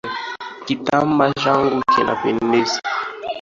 Kitambaa changu kinapendeza.